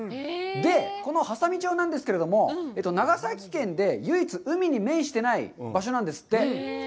で、この波佐見町なんですけれども、長崎県で唯一海に面してない場所なんですって。